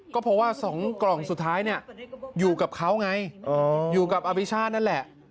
ก็เพราะว่า๒กล่องสุดท้ายเนี่ยอยู่กับเขาไงอยู่กับอภิชาตินั่นแหละ